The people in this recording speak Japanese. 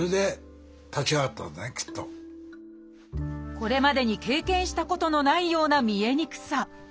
これまでに経験したことのないような見えにくさ。